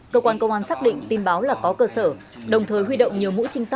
cơ quan công an xác định tin báo là có cơ sở đồng thời huy động nhiều mũi trinh sát